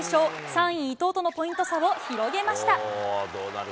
３位伊藤とのポイント差を広げました。